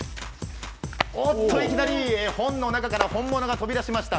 おっといきなり本の中から本物が飛び出しました。